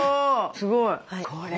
すごいね。